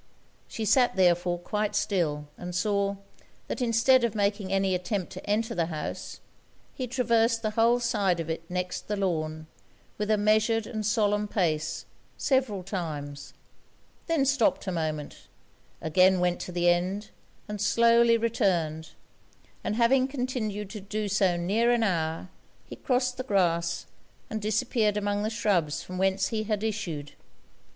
She sat therefore quite still; and saw, that instead of making any attempt to enter the house, he traversed the whole side of it next the lawn, with a measured and solemn pace, several times; then stopped a moment, again went to the end, and slowly returned; and having continued to do so near an hour, he crossed the grass, and disappeared among the shrubs from whence he had issued.